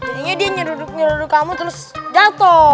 jadinya dia nyuruduk nyuruduk kamu terus jatoh